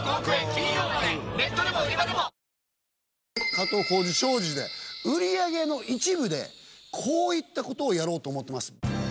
加藤浩次商事で、売り上げの一部でこういったことをやろうと思ってます。